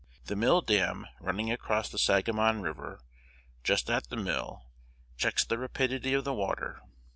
The mill dam running across the Sangamon River just at the mill checks the rapidity of the water.